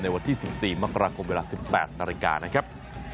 วันที่๑๔มกราคมเวลา๑๘นาฬิกานะครับ